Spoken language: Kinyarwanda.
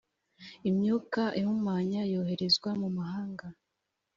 imyuka ihumanya yoherezwa mumahanga